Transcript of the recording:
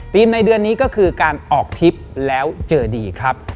ในเดือนนี้ก็คือการออกทริปแล้วเจอดีครับ